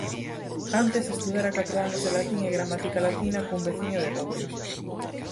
Antes estudara catro anos de latín e gramática latina cun veciño de Lobios.